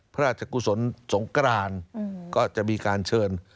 พระราชกุศลสงกรานก็จะมีการเชิญ